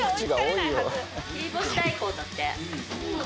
切り干し大根だって。